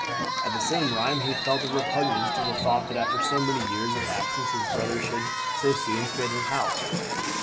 At the same rime he felt a repugnance to the thought that after so many years of absence his brother should so soon quit his house.